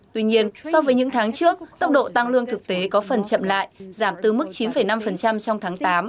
tuy nhiên so với những tháng trước tốc độ tăng lương thực tế có phần chậm lại giảm từ mức chín năm trong tháng tám và chín hai trong tháng bảy